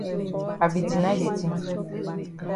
I be deny de tin.